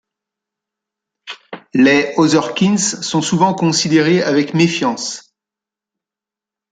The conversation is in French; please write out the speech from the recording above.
Les otherkins sont souvent considérés avec méfiance.